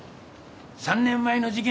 ３年前の事件